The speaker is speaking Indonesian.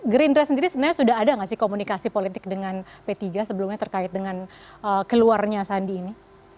gerindra sendiri sebenarnya sudah ada nggak sih komunikasi politik dengan p tiga sebelumnya terkait dengan keluarnya sandi ini